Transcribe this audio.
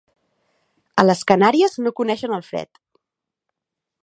A les Canàries no coneixen el fred.